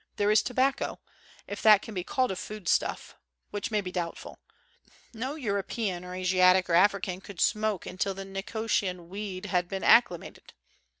There is to bacco, if that can be called a foodstuff (which may be doubtful); no European or Asiatic or African could smoke until the Nicotian weed 196 COSMOPOLITAN COOKERY had been acclimated.